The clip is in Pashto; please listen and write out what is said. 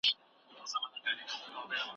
د آرزو له پېغلو سترګو یوه اوښکه